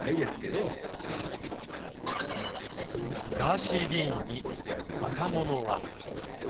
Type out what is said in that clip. ガーシー議員に若者は？